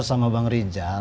sama bang rijal